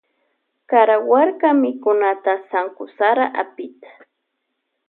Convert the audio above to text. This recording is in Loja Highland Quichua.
Karawarka mikunata sanwu sara apita.